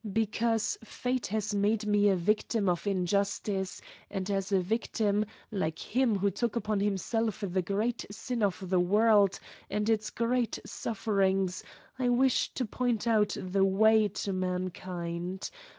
Because fate has made me a victim of injustice, and as a victim, like Him who took upon Himself the great sin of the world and its great sufferings, I wish to point out the way to mankind.